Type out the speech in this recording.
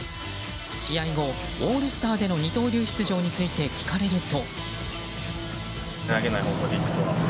試合後、オールスターでの二刀流出場について聞かれると。